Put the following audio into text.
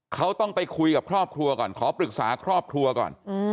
เขาต้องไปคุยกับครอบครัวก่อนขอปรึกษาครอบครัวก่อน